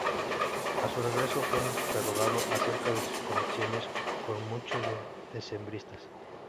A su regreso fue interrogado acerca de sus conexiones con muchos de los decembristas.